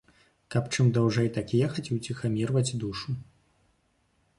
Каб чым даўжэй так ехаць і уціхамірваць душу!